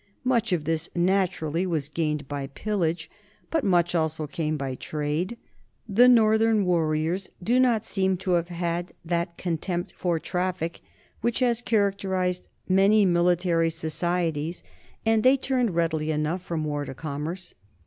Much of this, naturally, was gained by pillage, but much also came by trade. The northern warriors do not seem to have had that contempt for traffic which has char acterized many military societies, and they turned read THE COMING OF THE NORTHMEN 37 ily enough from war to commerce.